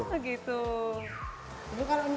ibu kalau nyuci kan bareng bareng enggak